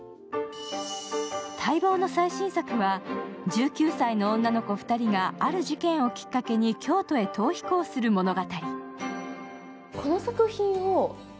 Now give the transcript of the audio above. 待望の最新作は、１９歳の女の子２人がある事件をきっかけに京都へ逃避行する物語。